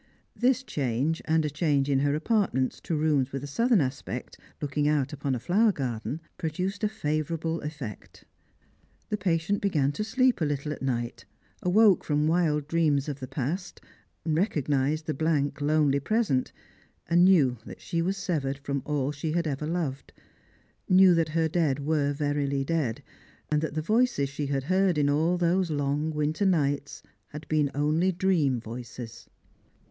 This change, and a change in her apartments to rooms with a southern aspect, looking out upon a flower garden, produced a favourable effect. The patient began to sleep a little at night, awoke from wild dreams of the past, recognised the blank lonely present, and knew that she was severed from all she had ever loved ; knew that her dead were verily dead, and that the voices she had heard in all those long winter nights had beea only dream voices.